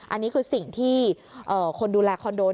อันนี้คือสิ่งที่คนดูแลคอนโด